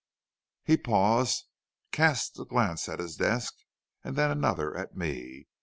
"He paused, cast a glance at his desk, and then another at me.